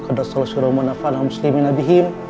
kedah salashiru manafalah muslimi nabihim